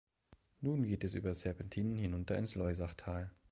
Nun geht es über Serpentinen hinunter ins Loisachtal.